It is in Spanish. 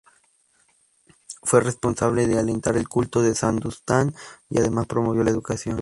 Fue responsable de alentar el culto de san Dunstán y además promovió la educación.